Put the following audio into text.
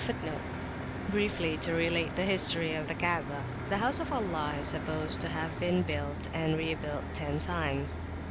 [FN#61] Briefly to relate the history of the Kaabah. The House of Allah is supposed to have been built and rebuilt ten times.